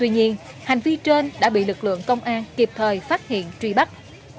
nhưng hành vi trên đã bị lực lượng công an kịp thời phát hiện truy bắt